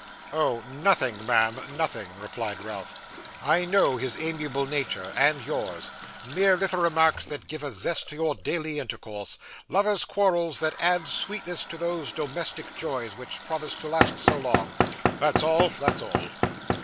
'Oh! Nothing, ma'am, nothing,' replied Ralph. 'I know his amiable nature, and yours, mere little remarks that give a zest to your daily intercourse lovers' quarrels that add sweetness to those domestic joys which promise to last so long that's all; that's all.